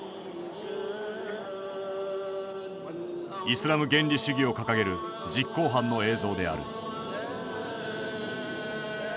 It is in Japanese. イスラム原理主義を掲げる実行犯の映像である。